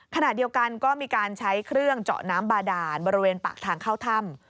ขณะเดียวกันก็มีการใช้เครื่องเจาะน้ำบาดานบริเวณปากทางเข้าถ้ำ